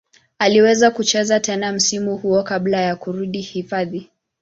Aliweza kucheza tena msimu huo kabla ya kurudi hifadhi.